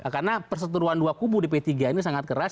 karena perseturuan dua kubu di p tiga ini sangat keras